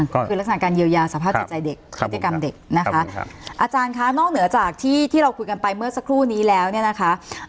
คือรักษาการเยียวยาสภาพใจใจเด็กครับอาจารย์คะนอกเหนือจากที่เราคุยกันไปเมื่อสักครู่นี้แล้วเนี่ยนะคะ